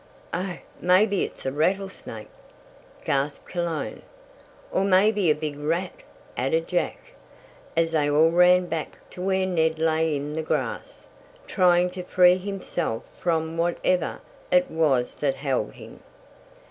"Oh, maybe it is a rattlesnake!" gasped Cologne. "Or maybe a big rat," added Jack, as they all ran back to where Ned lay in the grass, trying to free himself from whatever it was that held him.